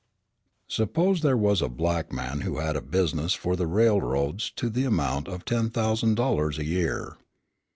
Suppose there was a black man who had business for the railroads to the amount of ten thousand dollars a year.